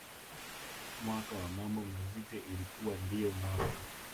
mwaka wa mambo mazito ilikuwa ndiyo mwaka